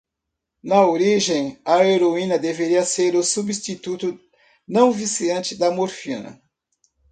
Na origem?, a heroína deveria ser o “substituto não-viciante da morfina”.